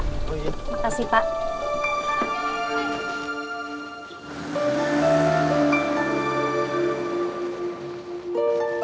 terima kasih pak